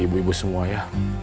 ibu ibu semua ya